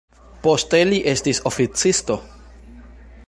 Poste li estis oficisto.